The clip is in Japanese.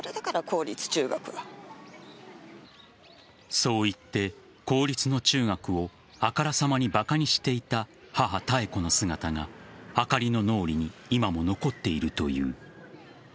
そう言って公立の中学をあからさまにばかにしていた母・妙子の姿があかりの脳裏に今も残っているという。